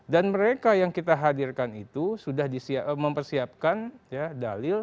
dan mereka yang kita hadirkan itu sudah mempersiapkan dalil